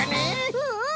うんうん！